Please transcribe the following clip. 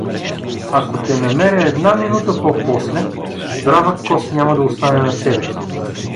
Ако те намеря една минута по-после, здрава кост няма да остане на тебе.